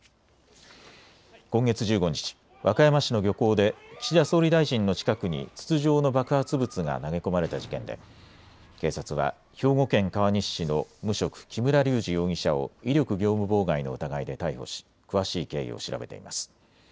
今月１５日、和歌山市の漁港で岸田総理大臣の近くに筒状の爆発物が投げ込まれた事件で警察は兵庫県川西市の無職、木村隆二容疑者を威力業務妨害の疑いで逮捕し詳しい経緯を調べています。